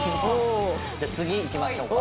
次いきましょうか。